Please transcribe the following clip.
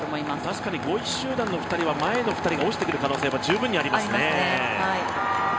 確かに５位集団の２人は前の２人が落ちてくる可能性がありますね。